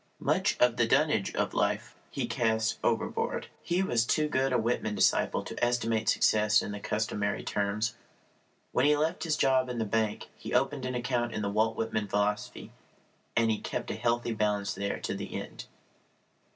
Much of the dunnage of life he cast overboard. He was too good a Whitman disciple to estimate success in the customary terms. When he left his job in the bank he opened an account in the Walt Whitman philosophy and he kept a healthy balance there to the end.